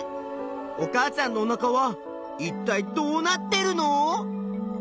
お母さんのおなかはいったいどうなってるの？